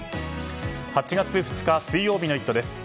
８月２日、水曜日の「イット！」です。